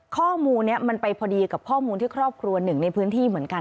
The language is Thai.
ข้อมูลนี้มันไปพอดีกับข้อมูลที่ครอบครัวหนึ่งในพื้นที่เหมือนกัน